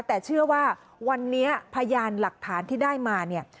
แต่เชื่อว่าวันนี้พยานหลักฐานที่ได้มาเนี่ย